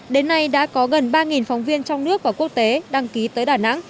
đến nay đã có gần ba phóng viên trong nước và quốc tế đăng ký tới đà nẵng